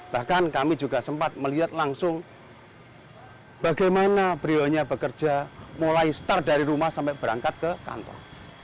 bahkan kami juga sempat melihat langsung bagaimana beliau nya bekerja mulai start dari rumah sampai berangkat ke kantor